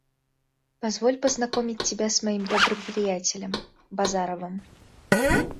Позволь познакомить тебя с моим добрым приятелем, Базаровым